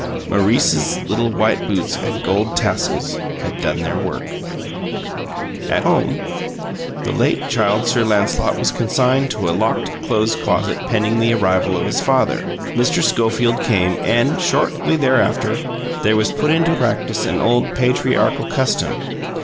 Maurice's little white boots and gold tassels had done their work. At home the late Child Sir Lancelot was consigned to a locked clothes closet pending the arrival of his father. Mr. Schofield came and, shortly after, there was put into practice an old patriarchal custom.